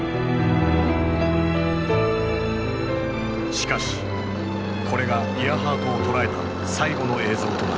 しかしこれがイアハートを捉えた最後の映像となった。